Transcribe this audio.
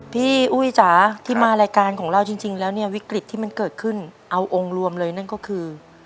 พี่อุ้ยจ๋าที่มารายการของเราจริงแล้วเนี่ยวิกฤตที่มันเกิดขึ้นเอาองค์รวมเลยนั่นก็คือ